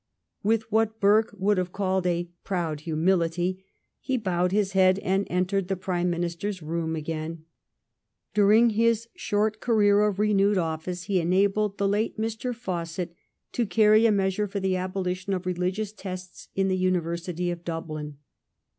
With what Burke would have called a "proud humility," he bowed his head and entered the Prime Minister's room again. During his short career of renewed office he enabled the late Mr. Fawcett to carry a measure for the abolition of religious tests in the University of Dublin.